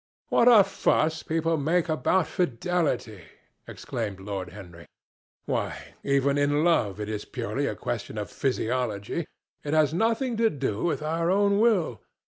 "What a fuss people make about fidelity!" exclaimed Lord Henry. "Why, even in love it is purely a question for physiology. It has nothing to do with our own will.